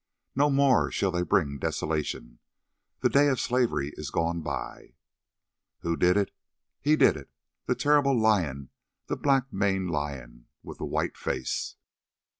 "No more shall they bring desolation; the day of slavery is gone by. "Who did it? He did it, the terrible lion, the black maned lion with the white face.